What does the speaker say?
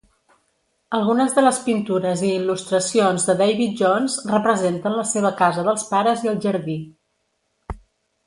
Algunes de les pintures i il·lustracions de David Jones representen la seva casa dels pares i el jardí.